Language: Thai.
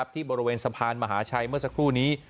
ที่บริเวณสะพานมหาชัยเมื่อสักครู่นี้